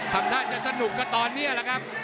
ทำท่าจะสนุกก็ตอนนี้แหละครับ